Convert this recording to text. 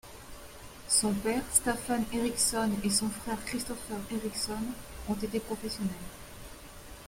Son père Staffan Erixon et son frère Christopher Erixon ont été professionnels.